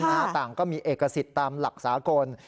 ต่างก็มีเอกสิทธิ์ตามหลักสากล